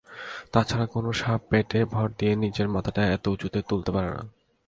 তা ছাড়া কোনো সাপ পেটে ভর দিয়ে নিজের মাথাটা এত উঁচুতে তুলতে পারে না।